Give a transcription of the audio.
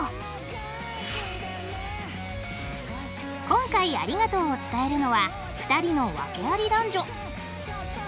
今回ありがとうを伝えるのは２人の訳あり男女。